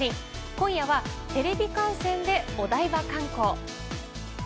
今夜はテレビ観戦でお台場観光。